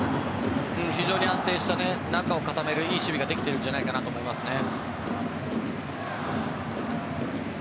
非常に安定した、中を固めるいい守備ができてるんじゃないかなと思いますね。